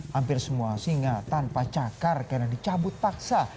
hampir semua singa tanpa cakar karena dicabut paksa